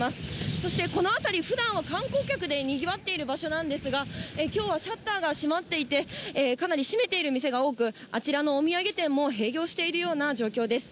そして、この辺り、ふだんは観光客でにぎわっている場所なんですが、きょうはシャッターが閉まっていて、かなり閉めている店が多く、あちらのお土産店も閉業しているような状況です。